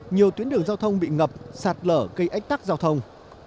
nhiều tuyến đường giao thông bị ngập sạt lở gây ách tắc giao thông